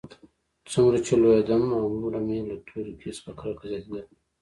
څومره چې لوېيدم هماغومره مې له تورکي څخه کرکه زياتېدله.